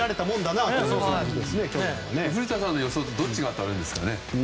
古田さんの予想とどっちが当たるんですかね。